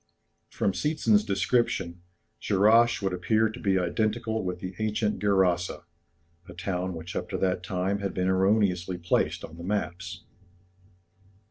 From Seetzen's description, Dscherrasch would appear to be identical with the ancient Gerasa, a town which up to that time had been erroneously placed on the maps.